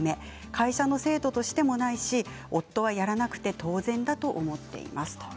会社の制度としてもないし夫はやらなくて当然だと思っています。